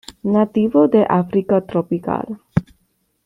Nativo de África tropical.